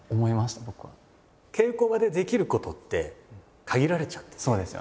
稽古場でできることって限られちゃってて。